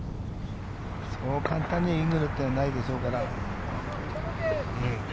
そう簡単にイーグルはないでしょうから。